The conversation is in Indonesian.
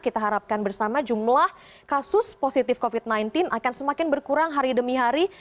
kita harapkan bersama jumlah kasus positif covid sembilan belas akan semakin berkurang hari demi hari